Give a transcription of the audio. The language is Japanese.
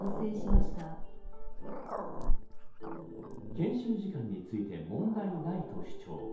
研修時間について問題ないと主張。